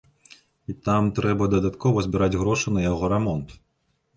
І там трэба дадаткова збіраць грошы на яго рамонт.